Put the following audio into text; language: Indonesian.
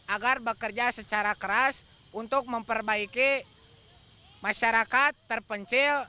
agar bekerja secara keras untuk memperbaiki masyarakat terpencil